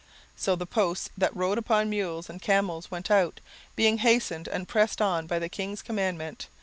17:008:014 So the posts that rode upon mules and camels went out, being hastened and pressed on by the king's commandment.